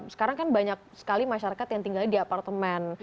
sekarang kan banyak sekali masyarakat yang tinggal di apartemen